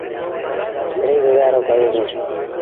مڙيٚئيٚ گزآرو ڪيو سيٚݩ۔